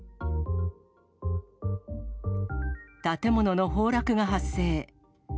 建物の崩落が発生。